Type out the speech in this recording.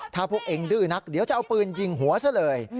ถ้าพวกเองดื้อนักเดี๋ยวจะเอาปืนยิงหัวซะเลย